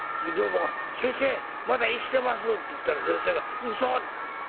女房が「先生まだ生きてます！」って言ったら先生が「うそ？」。